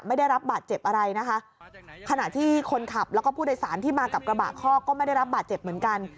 ไม่ได้รับบาดเจ็บอะไรนะคะขณะที่คนขับแล้วก็ผู้โดยสารที่มากับกระบะคอกก็ไม่ได้รับบาดเจ็บเหมือนกัน